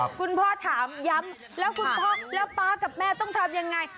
คุณพ่อถามย้ำแล้วคุณพ่อแล้วป๊ากับแม่ต้องทำยังไง